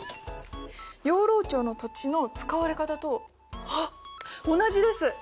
養老町の土地の使われ方とあっ同じです！